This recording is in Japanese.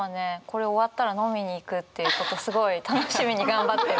これ終わったら飲みに行くっていうことすごい楽しみに頑張ってるんです。